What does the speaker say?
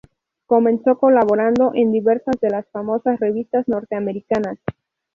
Comenzó colaborando en diversas de las famosas revistas norteamericanas.